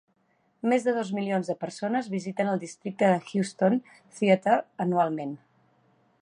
Més de dos milions de persones visiten el districte de Houston Theater anualment.